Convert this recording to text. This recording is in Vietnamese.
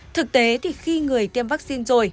thực tế thì khi người tiêm vaccine rồi